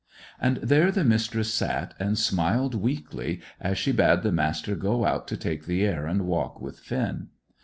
And there the Mistress sat, and smiled weakly, as she bade the Master go out to take the air and walk with Finn.